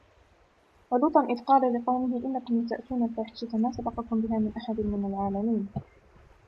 وَلُوطًا إِذْ قَالَ لِقَوْمِهِ إِنَّكُمْ لَتَأْتُونَ الْفَاحِشَةَ مَا سَبَقَكُمْ بِهَا مِنْ أَحَدٍ مِنَ الْعَالَمِينَ